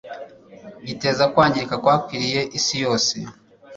giteza ukwangirika kwakwiriye isi yose.